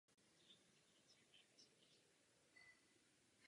Vstupní hodnoty tohoto řešení jsou potom použitelné i pro reálný systém.